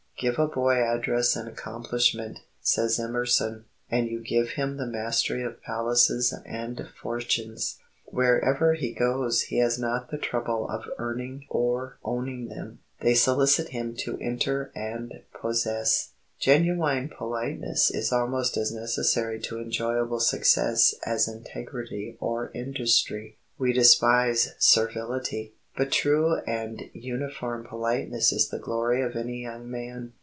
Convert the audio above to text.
"Give a boy address and accomplishment," says Emerson, "and you give him the mastery of palaces and fortunes. Wherever he goes he has not the trouble of earning or owning them; they solicit him to enter and possess." Genuine politeness is almost as necessary to enjoyable success as integrity or industry. We despise servility, but true and uniform politeness is the glory of any young man.